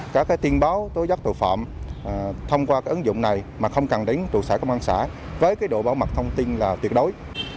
các tin báo tố giác tội phạm thông qua ứng dụng này mà không cần đến trụ sở công an xã với độ bảo mật thông tin là tuyệt đối